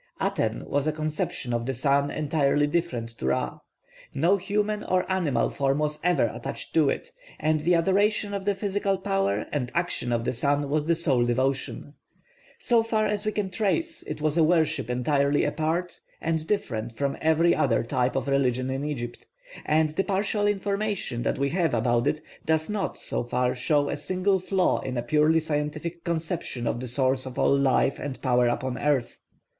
+Aten+ was a conception of the sun entirely different to Ra. No human or animal form was ever attached to it; and the adoration of the physical power and action of the sun was the sole devotion. So far as we can trace, it was a worship entirely apart, and different from every other type of religion in Egypt; and the partial information that we have about it does not, so far, show a single flaw in a purely scientific conception of the source of all life and power upon earth.